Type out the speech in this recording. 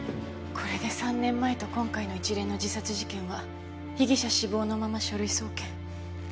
これで３年前と今回の一連の自殺事件は被疑者死亡のまま書類送検。